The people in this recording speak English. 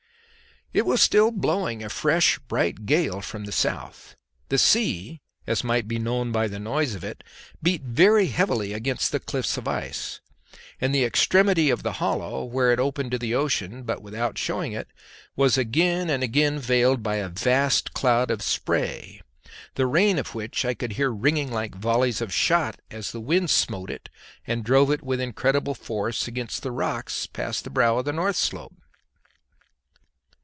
It was still blowing a fresh bright gale from the south; the sea, as might be known by the noise of it, beat very heavily against the cliffs of ice; and the extremity of the hollow, where it opened to the ocean but without showing it, was again and again veiled by a vast cloud of spray, the rain of which I could hear ringing like volleys of shot as the wind smote it and drove it with incredible force against the rocks past the brow of the north slope.